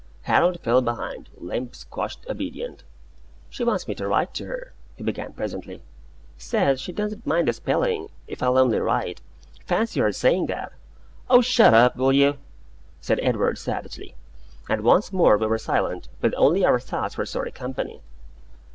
Harold fell behind, limp, squashed, obedient. "She wants me to write to her," he began, presently. "Says she doesn't mind the spelling, it I'll only write. Fancy her saying that!" "Oh, shut up, will you?" said Edward, savagely; and once more we were silent, with only our thoughts for sorry company.